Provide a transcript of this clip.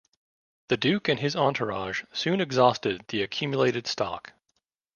The duke and his entourage soon exhausted the accumulated stock.